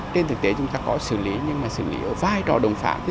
trên thực tế chúng ta có xử lý nhưng mà xử lý ở vai trò đồng phạm